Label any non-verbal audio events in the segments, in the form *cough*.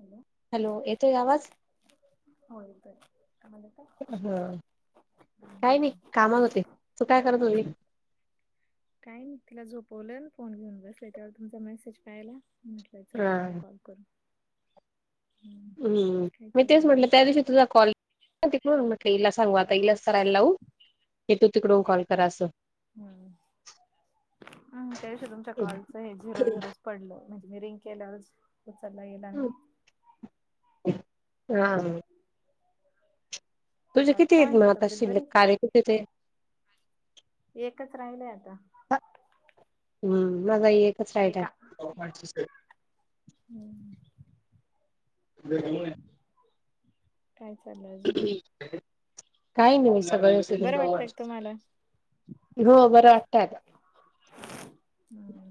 Hello. Hello येतो आहे आवाज? हो येतोय का हाल आहे? काय नाही कामाल होते तू काय करत होती? काय नाही तिला झोपवलं आन फोन घेऊन बसले तेव्हा तुमचा मेसेज पाहिला म्हटलं चला हा यांना कॉल करू. हम्म काय मी तेच चाललंय म्हटलं अजून? त्या दिवशी तुझा कॉल हा तिकडून म्हटलं हिला सांगू आता हिलाच कराय लावू ए तू तिकडून कॉल कर असं. हम्म त्या दिशी तुमच्या कॉलच हे झिरो-झिरो कडलं म्हणजे मी रिंग केल्याच वरच उचललं गेला आणि *unintelligible* तुझे बाकी किती आहे काय हे म म्हणते आता तब्येत शिल्लक बरी का? कार्य किती ते? एकच राहिलंय आता. हा हम्म माझा ही एक तच राहिटा एका आहे. हम्म *unintelligible* काय चाललय? काही नाही सगळं व्य बरं वाटतंय का तुम्हाला? *unintelligible* हो बरं वाटतोय आता. हां.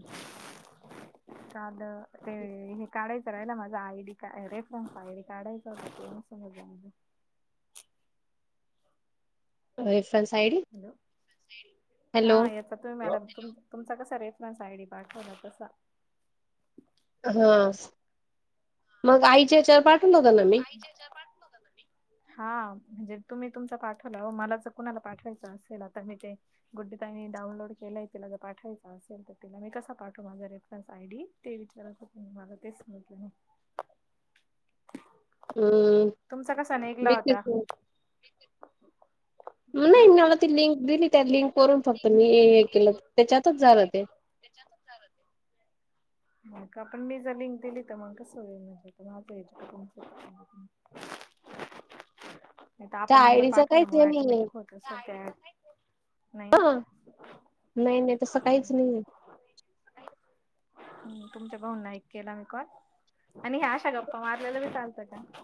कालं ते हे काढायचं राहिलं माझा आय डी का रेफरन्स आय डी काढायचं होतं. *unintelligible* *unintelligible* रेफरन्स आय डी हॅलो हा हॅलो. ये कत्वे मॅडम तुम तुमचा कसा रेफरन्स आय डी पाठवला तसा. हा मग आईच्या हेच्यावर पाठवलं गा ना मी. तिच्या ह्याच्यावर पाठवलं होतं ना मी. हा म्हणजे तुम्ही तुमचा पाठवला मला ज कुणाला पाठवायचं असेल तर मी ते गुड्डी ताईंनी डाउनलोड केलाय तिला जर पाठवायचां असेल तर तिला मी कसा पाठव माझा रेफरन्स आयडी ते विचाराच होते मी मला तेच समजलं नाही अ तुमचा कसा मी निघाला होता तेच हा नाही मी मला ती लिंक दिली त्या लिंक करून फक्त मी हे केलं त्याच्यातच झालं ते त्याच्यातच झालं ते हो का पण मी जर लिंक दिली तर मग कस होईल म्हणजे माझं एकदा तुमचे एकदा नाही तर त्या आपण नंबर आयडीच काहीच हे पाठवल्यामुळे नाहीये ऑटोमॅटिक होत अस हा नई नई तसं काहीच ना नईये *inaudible* हम तुमच्या भाऊूनना केला मी एक कॉल आणि आशा गप्पा मारलेलं बी चालतात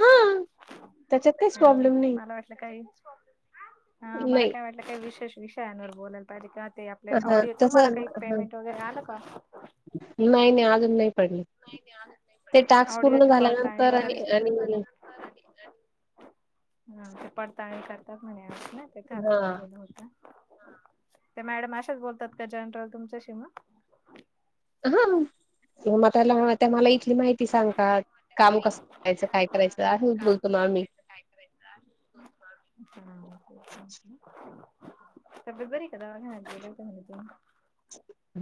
हा त्याच्यात काहीच प्रॉब्लेम नाही मला हा वाटलं मला नाही काय वाटलं काही विशेष विषयांवर बोलायला पाहिजे ते आप हा ऑडिओ तसं तुम्हाला काही हा पेमेंट वगैरे आलं का? नाही नाही अजून नाही पडल ऑडिओची पडताळणी झाल्यानंतर आणि वगैरे टास्क आणि पूर्ण झाल्यावर हा पडताळणी करतात म्हणे ते खच हा ललेलं होत ते मॅडम अशाच बोलतात का जनरल तुमच्याशी मग हो हो तर मला इथली माहिती सांगतात काम कसं करायचं काय करायचं आहे बोलतो ना आम्ही *unintelligible* तब्येत बरी आहे का दवाखान्यात गेले होते म्हणे तुम्ही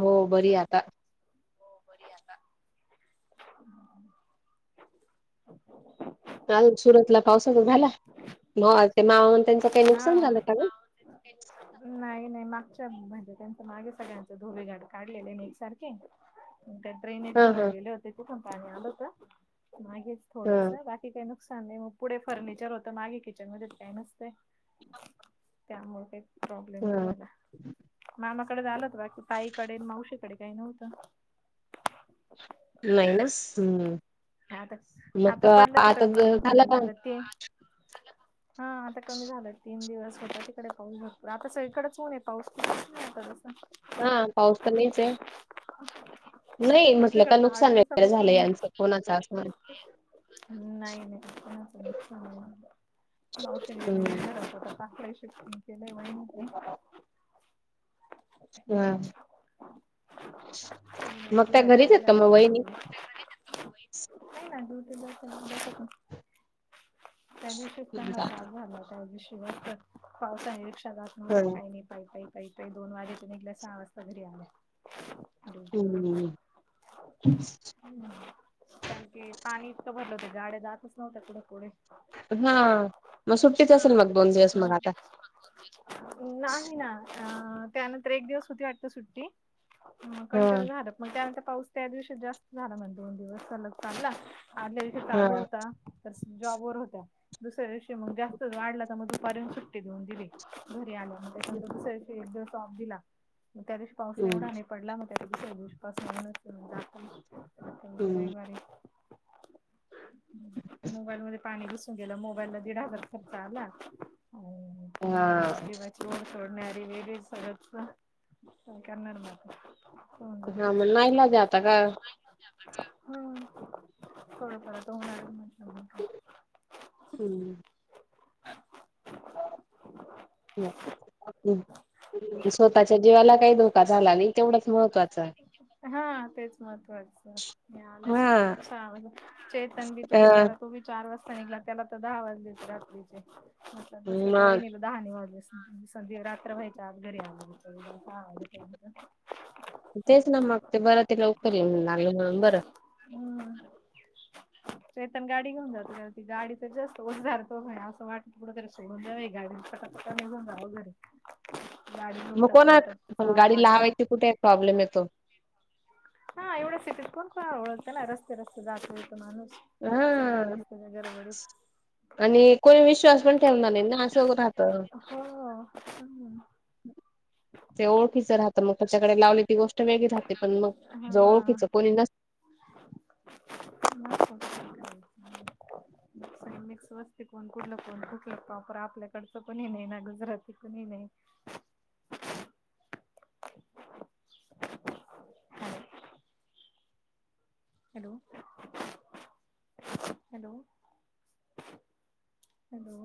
हो बरी आता हो बरी आता काल सुरतला पावसाचा झाला म ते मावा त्यांचं काही हा. नुकसान झालं का ग *unintelligible* नाही नाही मागच्या म्हणजे त्यांच मागे सगळ्यांच धोबघाट काढलेलेनेय एकसारखे- हुं त्यात ड्रेनेज हा भरून हा गेले होते तिथून पाणी आलं होत मागेच हा थोडस बा- ते काय नुकसान नाही ओ मग पुढे फर्निचर होत मागे किचन मध्येच काय नसतय- त्यामुळे काही प्रॉब्लेम नाही ह झाला मामाकडे झालंत बाकी- आईकडे मावशीकडे काय नव्हतं- नाहीनस हम्म आता मग आता पडलं आता तिकड पण ज- ऊन झाला पडायला का लागलं ते हा आता कमी झालं तीन दिवस होता ते डे पाऊस भरपूर आता सगळीकडेच होऊनेय पाऊस हां पाऊस तर नयीचंये नही म्हटलं आमच्याकडे का तर आठ नुकसान वगैरे- झालय दिवसापासून यांचं कोणाचं असणारंच- नाही नाही कूणाच नुकसान *inaudible* ते लय ह व्हय मग म्हणटल त्या घरीच आहेत का मग वहिनी *inaudible* *inaudible* *inaudible* त्यादिवशी पण ना त्रास झाला त्यादिवशी जास्त पाऊस आहे रिक्षा जा- हो, का? ह काही नाही. पाय, पाई, पाई, पाई. दोन वाजेते निघल्या. सहा वाजता घरी आल्या. ड्युटीवरून हं. *unintelligible* कारण की, पाणी इतकं भरलं होतं. गाड्या जातच नव्हत्या. पुढं - पुढे. हां. मग सुट्टीच असेल मग. दोन दिवस मग आता. नाही ना. अं त्यानंतर एक दिवस होती वाटत सुट्टी. ह कंटिन्यू झालं. मग त्यानंतर पाऊस, त्या दिवशी जास् झाला म्हण. दोन दिवस सलग चागंला. आदल्या दिवशी चालू हा होता. तर स जॉब वर होत्या. दुसऱ्या दिवशी मग जास्तच वाढला. तर मग दुपारी आणि सुट्टी देऊन दिली. घरी आल्या. त्याच्यानंतर, दुसर्‍या दिवशी एक दिवस ऑफ दिला. मग त्या दिवशी, पाऊस हम्म एवढा नायी पडला मग त्याच्या दिवशी पासून *inaudible* आता उद्या हम्म रविवारी. मोबाईल मध्ये पाणी घुस न गेलं मोबाईमधी. दिड हजार खर्च आला. हा आणि *inaudible* देवाची जोर सोडणारी वेगळी सगळच. काय, करणार मग. हां, मं नाईलाजय, आता गं. हं. थोड फार आता होणार म्हटलं. नाही का? हम्. *unintelligible* स्वतःच्या जीवाला काही धोका झाला नाही. तेवढंच महत्वाच. हां. तेच महत्वाचं. मिळाल हा सुखरूप. साव *unintelligible* चेतन भी तो अ बिचारा. तो बि चार वाजता निघला. त्याला तर दहा वाजलेत रात्रीचे. म्हंटल, जस त्या मग वहिनीकड दहा नी वाजले. *unintelligible* रात्र व्हायच्या आत, घरी आले बिचारे. हां, आले त्यानंतर. तेच ना, मग. ते बरं ते लवकर येऊन *unintelligible* बरं. हं. *inaudible* चेतन गाडी घेऊन जातो. त्याला ती गाडीचेच जास्त ओझ जारतो *unintelligible* य. असं वाट, कुठ तरी सोडून द्यावी गाडी. आता निघून जावं घरी. गाडी मग लोटत - कोणा लोटत पण जावं गाडी लागलं. लावायची कुठे? प्रॉब्लेम येतो. हां एवढ्या सिटीत कोण कोणाला? ओळखत ना. रस्ते- रस्ते जातो - येतो माणूस. हा सगळेच असतेत, गडबडीत. आणि कोणी विश्वास पण ठेवणार नाही ना. असंं होत राहतं. हां. हं. ते ओळखीच राहतं. मग त्याच्याकडे लावले ती गोस ष्ट वेगळी राहते. पण मग, ज हा. ओळखीच कोणी न *unintelligible* मिक्स वस्ती. कोण, कुठलं? कोण कूठलं? प्रॉपर, आपल्याकडचं कुणी नाही ना. गुजराती कुणी नाही. *inaudible* *unintelligible* Hello, hello. Hello.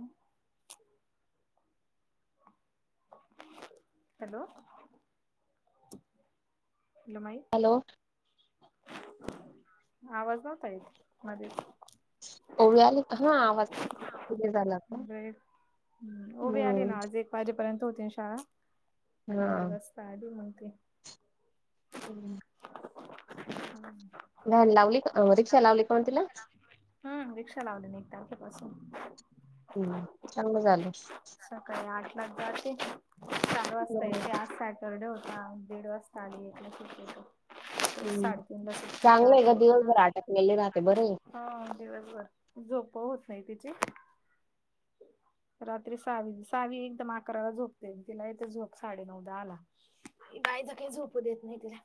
Hello. Hello, माई. हॅलो. आवाज नव्हता येत. मधीच. ओवी, आली का? हा. आवाज कुठे चाललात? *unintelligible* वाजेपर्यंत होती शाळा, दीड हा वाजता आली मंग ती. *unintelligible* *inaudible* नाही लावली का, रिक्षा लावली कोण तिला? हम् रिक्षा लावले ना एक तारखेपासून. हम्म, चांगलं झालं. सकाळी आठला जाते, सात वाजता येते. आज काय पर डे होता, दीड वाजता आली. एकला सुट्टी होते. हम्म साडेतीनला सुट्टी होते, चांगलं आहे चारला ग दिवसभर अटकलेले राहते येते. बरे हा दिवसभर, झोप होत नाही तिची. रात्री सावी, सावी एकदम अकराला झोपते, तिला येते झोप. साडे -नऊ दहाला. गायच काही झोपू देत नाही तिला.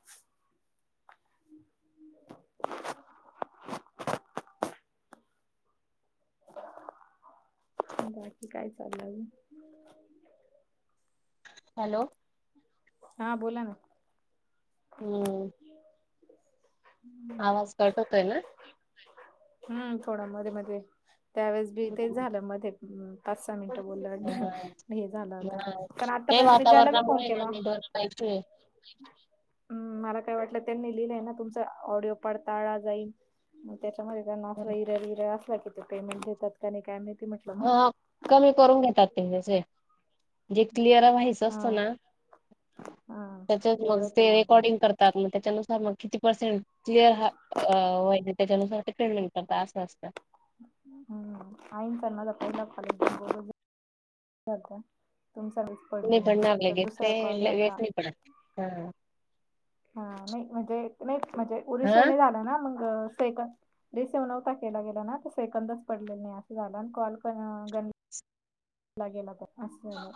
बाकी काय चालय मग? हॅलो. हा, बोला ना. हम्म. आवाज कट होतोय ना? हम्म थोडा मध्येे- मध्येे. त्यावेेळेस बी तेच हं. झालं मध्ये पाच -सहा मिनटं बोललं हा. हे झालं होता. म, ते आत्तापर्यंत मी ज्याला मी कॉल वातावरणामुळे ना केला. नेटवर्क इश्यू हम् मला काय वाटलं त्यांनी लिहिलंय ना, तुमचा ऑडिओ पडताळा जाईन. त्याच्यामध्ये अस इरर, बीरर असला कि ते पेमेंट देतात का नाही? काय माहिती म्हटलं म. हा कमी करून घेतात ते जे, क्लिअर व्हायचं हा असतं ना. हा त्याचच मग तेवढं ते केला होता रेकॉर्डिंग करतात मग त्याच्यानुसार मग किती पर्सेंट क्लिअर ह, व्हा त्याच्यानुसार ते पेमेंट करत असं असत. *unintelligible* *unintelligible* तर दुसरा कॉल झालता *inaudible* हा *unintelligible* रिसिव्ह नव्हता केला गेला ना, सेकंदच पडलेलं नाही असं झाल आणि कॉल पण केला गेला कॉल असा जाल.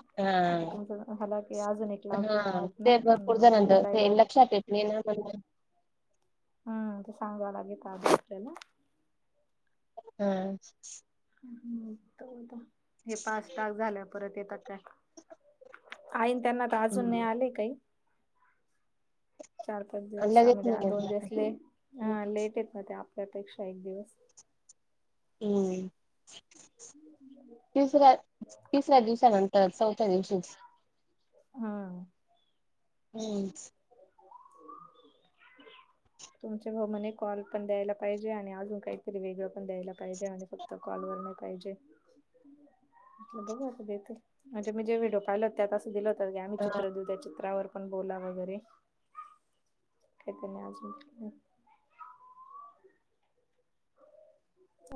आता हा तुमच झालं की अजून एक लावते हा आज ना, गुड्डी ताईला मी ना बर बर. हम्म, ते सांगवा लागेल का आधी आपल्याला? *unintelligible* हे पाच तास झाल्यावर. परत येतात काय? ताईन त्यांना त आजून नाही हम्म. आले कांहीं. चार -पाच दिवसा लगेच मध्ये नाही दोन येत. दिवस लेट, हां लेट येत न ते आपल्यापेक्षा एक दिवस. हम्म. तिसऱ्या, तिसऱ्या दिवसानंतर चौथ्या दिवशीच. हं. हम. *inaudible* तुमच्या बरोबर म्हणजे कॉल पण द्यायला पाहिजे आणि अजून काहीतरी वेगळं पण द्यायला पाहिजे आणि फक्त कॉलवगैरे नाही पाहिजे म्हटल बघू आता ते तर म्हणजे मी जे व्हिडिओ पाहिल होत, त्यात असं दिलं होत की आम्ही चित्र देऊ त्या चित्रावर बोलवला वगैरे काही तर नाहीत आजून.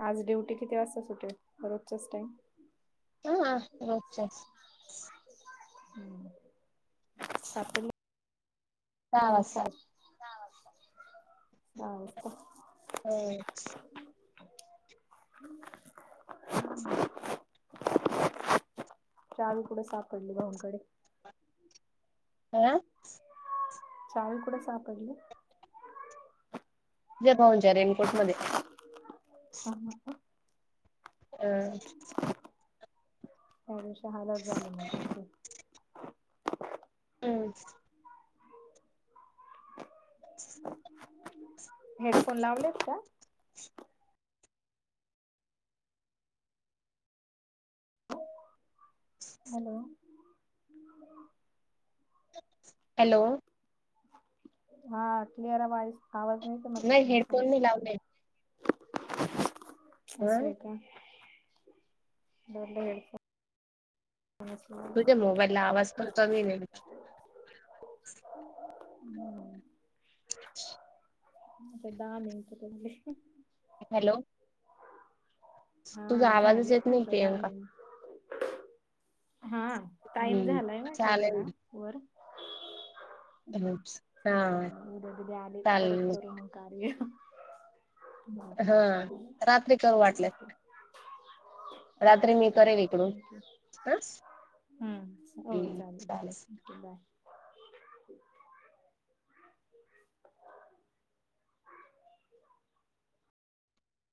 आज ड्युटी किती वाजता सुटेल रोजच्याच टाईम? होय रोजच्याच. हम सापडली? ये दहा मग वाजता सहा वाजता, सहा वाजता? होय. *inaudible* चावी कुठं सापडली भाऊंकडे? आ चावी कुठं सापडली? जय भाऊंच्या रेनकोटमध्ये. काय म्हटलं? अ थोडीशी हळद घातली मग तिने त्यामुळेच *inaudible* *inaudible* हेडफोन लावलेत का? हॅलो. *inaudible* हॅलो. हा क्लिअर अआवाज आवाज नाही येत आहे म्हटलं तुमचा. हेडफोन नाही लावले हा असंय का? बदलू हेडफोन? कोणाच. तुझ्या मोबाईलला आवाज पण कमीय नेमका. हम्म. आता दहा मिनिटं त झाले. हॅलो. तुझा हा आवाजच येत झालेत नाही म्हटलं दहा प्रियंका. हां टाइम हम्म झालाय म्हटलं थोडा चालेल वर. हम्म हम्म जाऊ द्या हा उद्या बिद्या आले तर, परत करू मग कार्य. हो हां रात्री करू वाटल्यास. हो रात्री मी चालतय करेल इकडून थँक्यू. *unintelligible* हम्म हो सकाळी चालेल थॅंक्यु बाय.